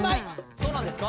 そうなんですか？